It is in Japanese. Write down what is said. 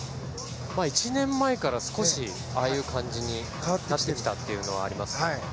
１年前から少しああいう感じになってきたというのはありますね。